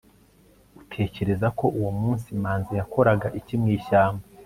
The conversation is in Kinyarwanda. utekereza ko uwo munsi manzi yakoraga iki mu ishyamba